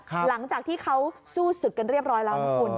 หลังจากที่เขาสู้ศึกกันเรียบร้อยแล้วนะคุณ